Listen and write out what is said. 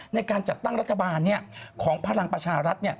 ในการจัดตั้งรัฐบาลของพลังประชารัฐ